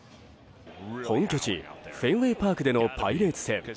本拠地フェンウェイパークでのパイレーツ戦。